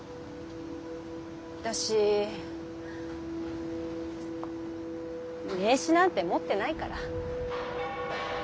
私名刺なんて持ってないから。